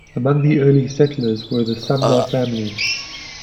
Among the early settlers were the Sumner family.